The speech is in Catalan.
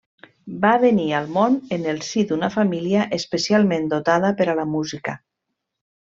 Va venir al món en el si d'una família especialment dotada per a la música.